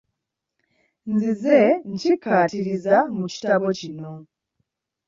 Nzize nkikkaatiriza mu kitabo kino.